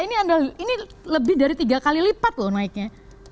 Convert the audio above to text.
ini lebih dari tiga kali lipat loh naiknya